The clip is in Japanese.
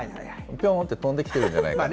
ぴょんって飛んできてるんじゃないですか？